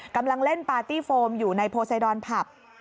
กำลังเล่นปาร์ตี้โฟมอยู่ในโพไซดอนผับ